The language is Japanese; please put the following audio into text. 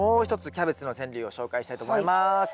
キャベツの川柳を紹介したいと思います。